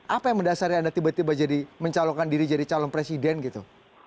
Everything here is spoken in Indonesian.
apa yang mendasari anda tiba tiba jadi mencalonkan diri jadi calon presiden gitu